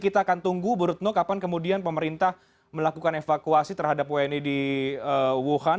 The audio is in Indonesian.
kita akan tunggu bu retno kapan kemudian pemerintah melakukan evakuasi terhadap wni di wuhan